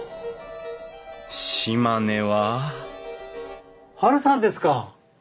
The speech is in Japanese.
島根はハルさんですか！？